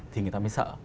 thì người ta mới sợ